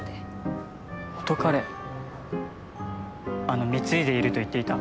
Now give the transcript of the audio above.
あの貢いでいると言っていた。